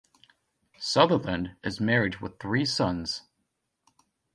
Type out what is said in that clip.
Sutherland is married with three sons.